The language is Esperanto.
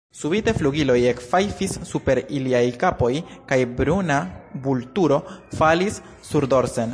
Subite flugiloj ekfajfis super iliaj kapoj, kaj bruna vulturo falis surdorsen.